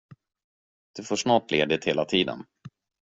Du får snart ledigt hela tiden.